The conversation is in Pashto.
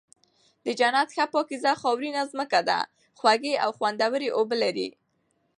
د جنت ښه پاکيزه خاورينه زمکه ده، خوږې او خوندوَري اوبه لري